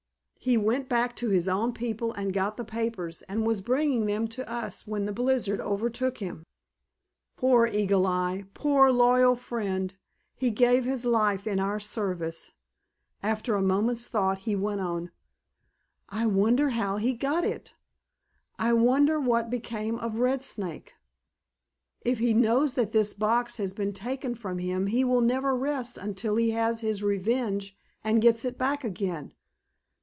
He went back to his own people and got the papers, and was bringing them to us when the blizzard overtook him. Poor Eagle Eye, poor loyal friend, he gave his life in our service." After a moment's thought he went on: "I wonder how he got it? I wonder what became of Red Snake? If he knows that this box has been taken from him he will never rest until he has his revenge and gets it back again."